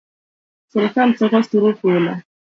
Sirikal choko osuru pile